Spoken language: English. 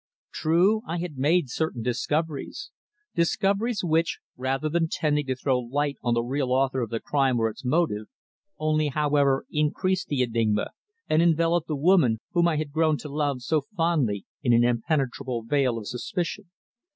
True, I had made certain discoveries discoveries which, rather than tending to throw light on the real author of the crime or its motive, only, however, increased the enigma and enveloped the woman whom I had grown to love so fondly in an impenetrable veil of suspicion.